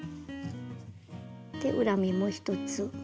で裏目も１つ。